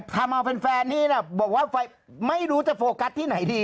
ทำเอาแฟนนี่นะบอกว่าไม่รู้จะโฟกัสที่ไหนดี